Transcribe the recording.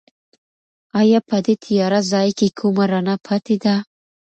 ایا په دې تیاره ځای کې کومه رڼا پاتې ده؟